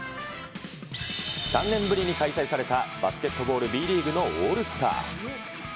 ３年ぶりに開催されたバスケットボールＢリーグのオールスター。